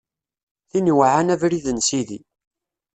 Tin iweɛɛan abrid n Sidi.